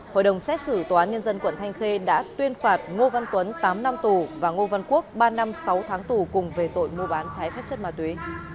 hội đồng xét xử tòa án nhân dân quận thanh khê đã tuyên phạt ngô văn tuấn tám năm tù và ngô văn quốc ba năm sáu tháng tù cùng về tội mua bán trái phép chất ma túy